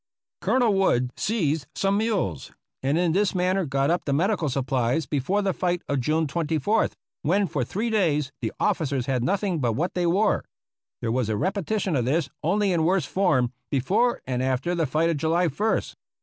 Colonel Wood seized some mules, and in this manner got up the medical supplies before the fight of June 24th, when for three days the officers had nothing but what they wore. There was a repetition of this, only in worse form, before and after the fight of July ist.